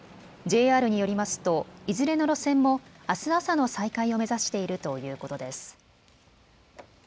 ＪＲによりますといずれの路線もあす朝の再開を目指しているということです。